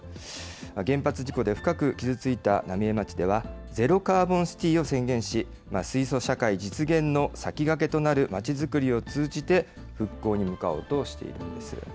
原発事故で深く傷ついた浪江町では、ゼロカーボンシティを宣言し、水素社会実現の先駆けとなるまちづくりを通じて、復興に向かおうとしているんです。